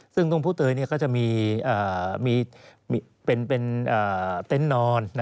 ซึ่งตรงผู้เตยก็จะมีเป็นเต็นต์นอน